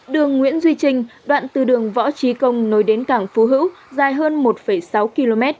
đường nguyễn duy trinh đoạn từ đường võ trí công nối đến cảng phú hữu dài hơn một sáu km